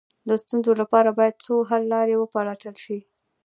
د ستونزو لپاره باید څو حل لارې وپلټل شي.